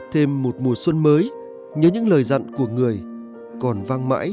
thêm một mùa xuân mới nhớ những lời dặn của người còn vang mãi với nòn